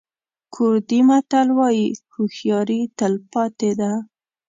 کوردي متل وایي هوښیاري تل پاتې ده.